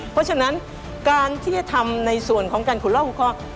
เพราะฉะนั้นการที่จะทำในส่วนของการขุดลอกหัวข้อ